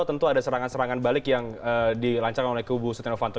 tentu ada serangan serangan balik yang dilancarkan oleh kubu setia novanto